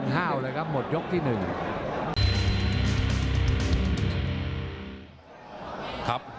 หมดยกที่๑ครับ